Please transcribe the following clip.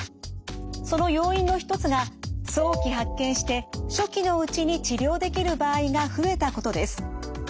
その要因の一つが早期発見して初期のうちに治療できる場合が増えたことです。